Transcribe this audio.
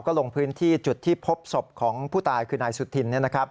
ก็ลงพื้นที่จุดที่พบศพของผู้ตายคือนายสุธิน